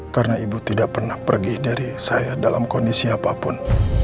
karena ibu tidak pernah pergi dari saya dalam kondisi apapun